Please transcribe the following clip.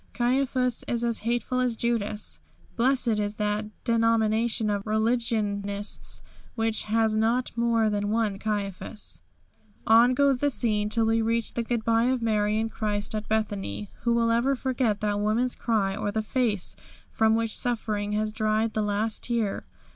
Caiaphas is as hateful as Judas. Blessed is that denomination of religionists which has not more than one Caiaphas! On goes the scene till we reach the goodby of Mary and Christ at Bethany. Who will ever forget that woman's cry, or the face from which suffering has dried the last tear?